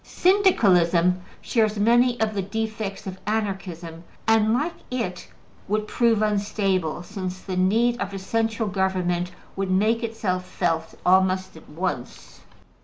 Syndicalism shares many of the defects of Anarchism, and, like it, would prove unstable, since the need of a central government would make itself felt almost at once.